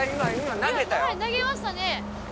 投げましたね。